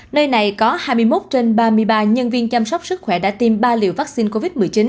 nơi này có hai mươi một trên ba mươi ba nhân viên chăm sóc sức khỏe đã tiêm ba liều vaccine covid một mươi chín